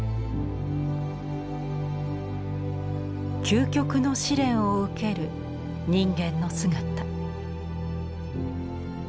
究極の試練を受ける人間の姿。